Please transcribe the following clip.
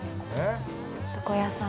床屋さん。